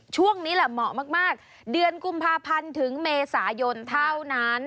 ช่วงนี้แหละเหมาะมากเดือนกุมภาพันธ์ถึงเมษายนเท่านั้น